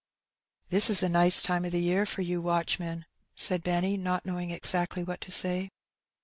'' ^^This is a nice time of the year for you watchmen," said Benny, not knowing exactly what to say.